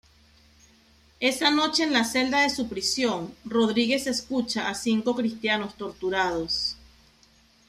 Esa noche en la celda de su prisión, Rodrigues escucha a cinco cristianos torturados.